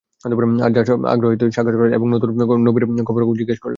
Abu Dharr সাগ্রহে তার সাথে সাক্ষাৎ করলেন এবং নতুন নবীর খবরাখবর জিজ্ঞেস করলেন।